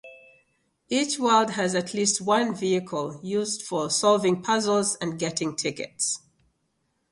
Each world has at least one vehicle, used for solving puzzles and getting tickets.